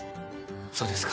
そうですか。